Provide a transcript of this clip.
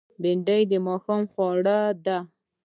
بېنډۍ د ماښام خواړه ده